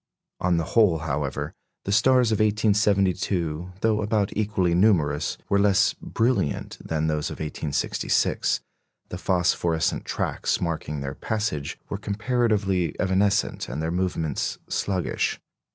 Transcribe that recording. On the whole, however, the stars of 1872, though about equally numerous, were less brilliant than those of 1866; the phosphorescent tracks marking their passage were comparatively evanescent and their movements sluggish.